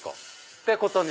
ってことに。